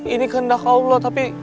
ini kehendak allah tapi